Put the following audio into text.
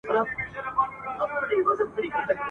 وېروې مي له پېچومو لا دي نه یم پېژندلی ..